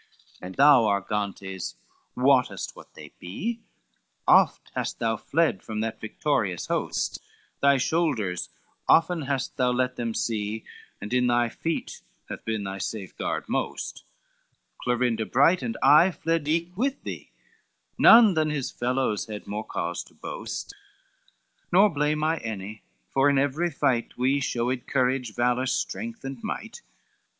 XLV "And thou Argantes wotest what they be; Oft hast thou fled from that victorious host, Thy shoulders often hast thou let them see, And in thy feet hath been thy safeguard most; Clorinda bright and I fled eke with thee, None than his fellows had more cause to boast, Nor blame I any; for in every fight We showed courage, valor, strength and might.